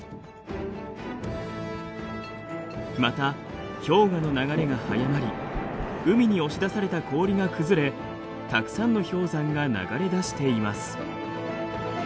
また氷河の流れが速まり海に押し出された氷が崩れたくさんの氷山が流れ出しています。